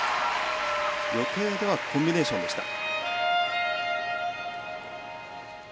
予定ではコンビネーションでした。